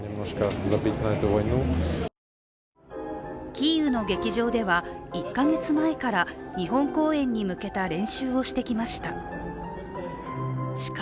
キーウの劇場では１か月前から日本公演に向けた練習をしてきました。